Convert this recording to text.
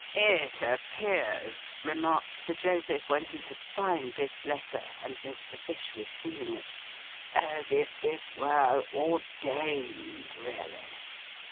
'It appears,' remarked Sir Joseph when he had signed this letter, and Mr. Fish was sealing it, 'as if this were Ordained: really.